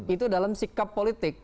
itu dalam sikap politik